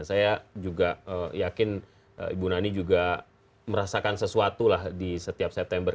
saya juga yakin ibu nani juga merasakan sesuatu lah di setiap september